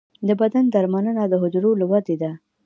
د بدن درملنه د حجرو له ودې ده.